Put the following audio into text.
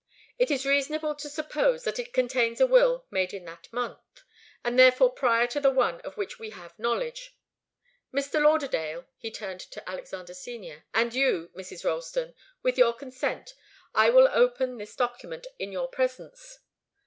It is reasonable to suppose that it contains a will made in that month, and therefore prior to the one of which we have knowledge. Mr. Lauderdale" he turned to Alexander Senior "and you, Mrs. Ralston with your consent, I will open this document in your presence."